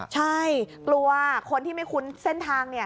ใช่กลัวคนที่ไม่คุ้นเส้นทาง